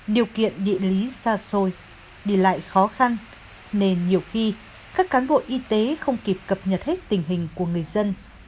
điều kiện địa lý xa xôi đi lại khó khăn nên nhiều khi các cán bộ y tế không kịp cập nhật hết tình hình của người dân